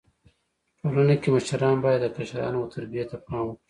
ټولنه کي مشران بايد د کشرانو و تربيي ته پام وکړي.